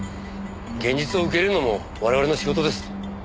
現実を受け入れるのも我々の仕事です。